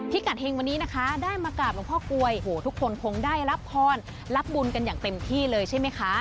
กัดเฮงวันนี้นะคะได้มากราบหลวงพ่อกลวยโอ้โหทุกคนคงได้รับพรรับบุญกันอย่างเต็มที่เลยใช่ไหมคะ